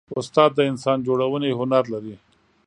استاد د انسان جوړونې هنر لري.